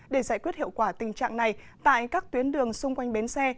để giải quyết hiệu quả tình trạng này tại các tuyến đường xung quanh bến xe